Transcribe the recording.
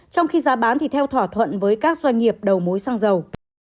trong khi giá bán thì theo thỏa thuận với các doanh nghiệp đầu mối xăng dầu